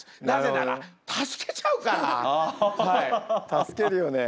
助けるよね。